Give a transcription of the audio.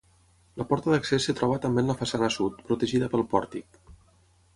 La porta d'accés es troba també en la façana sud, protegida pel pòrtic.